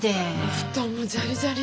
お布団もジャリジャリ。